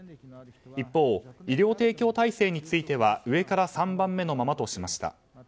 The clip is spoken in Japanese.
一方、医療提供体制については上から３番目のままとしました。